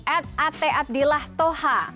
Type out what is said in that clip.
at atte abdillah toha